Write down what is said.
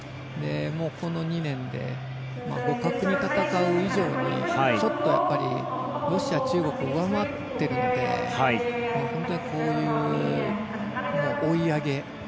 この２年で互角に戦う以上にやっぱりロシア、中国を上回ってるんでこういう追い上げ。